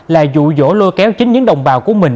là dụ dỗ lôi kéo chính những đồng bào của mình